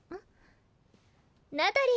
ナタリー